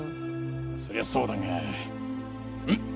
そりゃそうだがん！